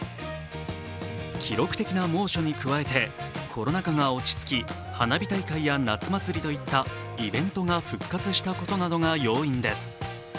記録的な猛暑に加えて、コロナ禍が落ち着き花火大会や夏祭りといったイベントが復活したことなどが要因です。